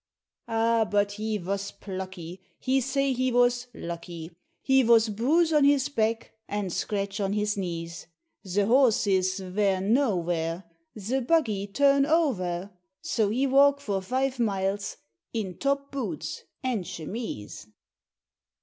Ah! but he vos plucky, He say he vos "lucky" He vos bruise on his back, and scratch on his knees Ze horses vare no vare! Ze buggy turn ovare! So he walk for five miles in top boots and chemise?